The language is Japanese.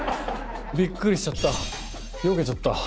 びっくりしちゃった。